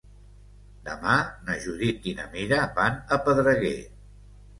Demà na Judit i na Mira van a Pedreguer.